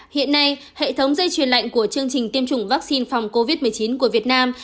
hiện nay hệ thống dây truyền lạnh của chương trình tiêm chủng vaccine phòng covid một mươi chín của việt nam